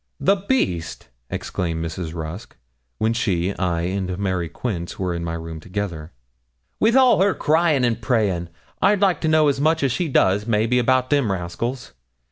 'The beast!' exclaimed Mrs. Rusk, when she, I, and Mary Quince were in my room together, 'with all her crying and praying, I'd like to know as much as she does, maybe, about them rascals.